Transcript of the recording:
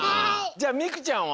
じゃあみくちゃんは？